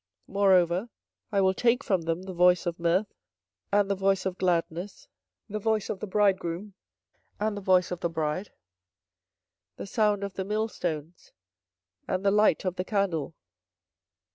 24:025:010 Moreover I will take from them the voice of mirth, and the voice of gladness, the voice of the bridegroom, and the voice of the bride, the sound of the millstones, and the light of the candle.